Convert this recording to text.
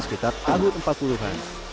sekitar tahun empat puluh an